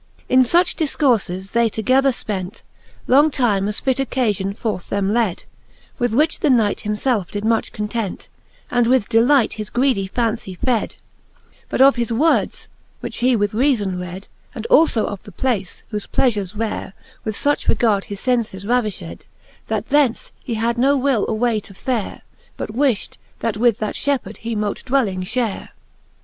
XXX. In Canto X. the Faerie i^ueene, 361 XXX. In fuch difcourfes they together fpent Long time, as fit occafion forth them led ; With which the Knight him felfe did much content, And with deHght his greedy fancy fed, Both of his words, which he with reafon red, And alfo of the place, wliofe pleafures rare With fuch regard his fences ravifhed, That thence he had no will away to fare, But wiflit, that with that fhepheard he mote dwelling Ihare.